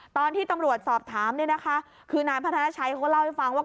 ตอนที่ตำรวจสอบถามเนี่ยนะคะคือนายพัฒนาชัยเขาก็เล่าให้ฟังว่า